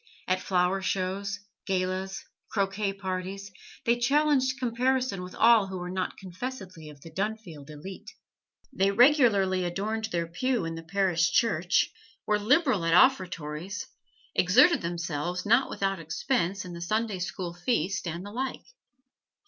At flower shows, galas, croquet parties, they challenged comparison with all who were not confessedly of the Dunfield elite. They regularly adorned their pew in the parish church, were liberal at offertories, exerted themselves, not without expense, in the Sunday school feast, and the like.